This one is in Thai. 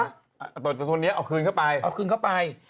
เอาก็จะตัวตัวนี้เอาคืนเข้าไปเอาคืนเข้าไป